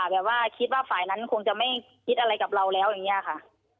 แบบว่าคิดว่าฝ่ายนั้นคงจะไม่คิดอะไรกับเราแล้วอย่างนี้ค่ะ